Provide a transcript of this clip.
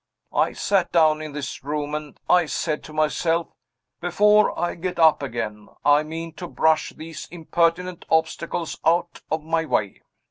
I sat down in this room, and I said to myself, 'Before I get up again, I mean to brush these impertinent obstacles out of my way!